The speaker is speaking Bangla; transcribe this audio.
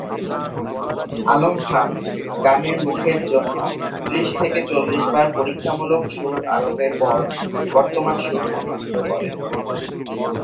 আলম খান গানের মুখের জন্য ত্রিশ থেকে চল্লিশ বার পরীক্ষামূলক সুর আরোপের পর বর্তমান সুর মনোনীত করেন।